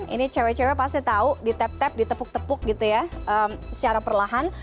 ini cewek cewek pasti tahu di tap tap di tepuk tepuk gitu ya secara perlahan